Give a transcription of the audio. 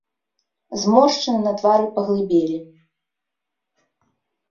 Зморшчыны на твары паглыбелі.